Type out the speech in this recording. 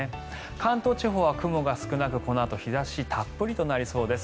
関東地方は雲が少なくこのあと日差したっぷりとなりそうです。